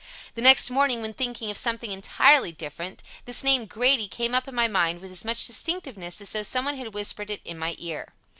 The next morning when thinking of something entirely different, this name "Grady" came up in my mind with as much distinctness as though someone had whispered it in my ear.